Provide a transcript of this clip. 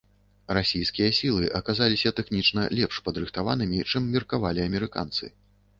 Расійскія сілы аказаліся тэхнічна лепш падрыхтаванымі, чым меркавалі амерыканцы.